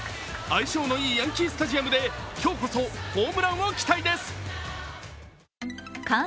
相性のいいヤンキースタジアムで今日こそホームランを期待です。